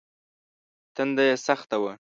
تنده يې سخته وه.